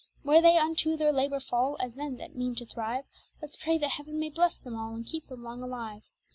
Where they unto their labour fall, as men that meane to thrive; Let's pray that heaven may blesse them all, and keep them long alive.